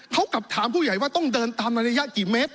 เขากลับถามผู้ใหญ่ว่าต้องเดินตามในระยะกี่เมตร